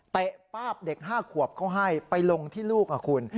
ป้าบเด็ก๕ขวบเขาให้ไปลงที่ลูกคุณ